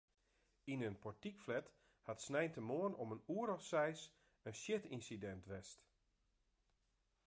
Yn in portykflat hat sneintemoarn om in oere of seis in sjitynsidint west.